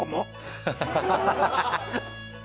ハハハハ！